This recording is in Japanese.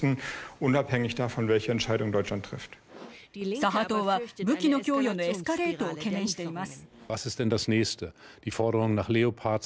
左派党は武器の供与のエスカレートを懸念しています。